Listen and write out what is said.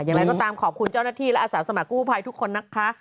อย่างไรก็ตามขอบคุณเจ้าหน้าที่และอาสาสมกู้ภัยทุกคนนะคะ